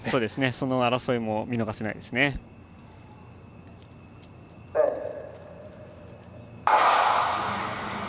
その争いも見逃せないですね。